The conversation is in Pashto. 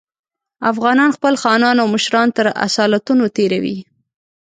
افغانان خپل خانان او مشران تر اصالتونو تېروي.